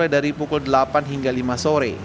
dari pukul delapan hingga lima sore